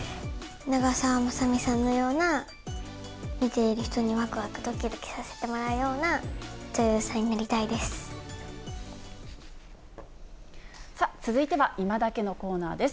長澤まさみさんのような、見ている人にわくわく、どきどきさせるような女優さんになりたいさあ、続いてはいまダケッのコーナーです。